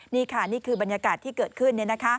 นี่ค่ะนี่คือบรรยากาศที่เกิดขึ้น